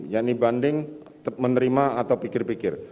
yang dibanding menerima atau pikir pikir